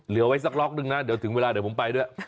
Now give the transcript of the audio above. เหลือไว้สักร็อกนึงเดี๋ยวถึงเวลาผมไปด้วย